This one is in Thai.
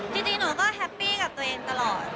จริงหนูก็แฮปปี้กับตัวเองตลอด